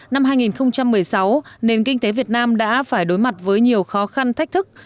năm hai nghìn một mươi sáu nền kinh tế việt nam đã phải đối mặt với nhiều khó khăn thách thức